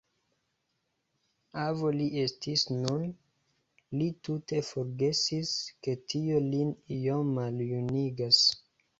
Avo li estis nun; li tute forgesis, ke tio lin iom maljunigas.